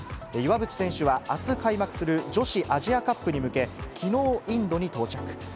岩渕選手は、あす開幕する女子アジアカップに向け、きのうインドに到着。